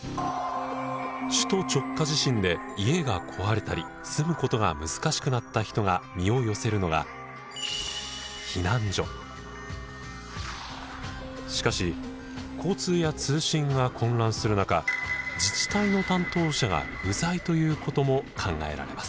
首都直下地震で家が壊れたり住むことが難しくなった人が身を寄せるのがしかし交通や通信が混乱する中自治体の担当者が不在ということも考えられます。